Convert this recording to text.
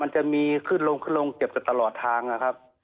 มันจะมีขึ้นลงขึ้นลงเก็บกันตลอดทางนะครับ